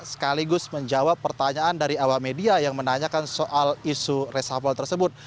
sekaligus menjawab pertanyaan dari awak media yang menanyakan soal isu resafel tersebut